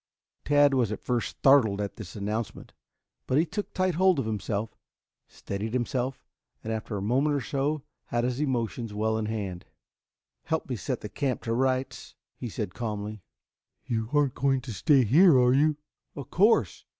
Tad was at first startled at this announcement, but he took tight hold of himself, steadied himself, and after a moment or so had his emotions well in hand. "Help me set the camp to rights," he said calmly. "You aren't going to stay here, are you?" "Of course.